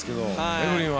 エブリンは？